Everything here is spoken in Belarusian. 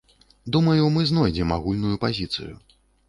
Думаю, мы знойдзем агульную пазіцыю.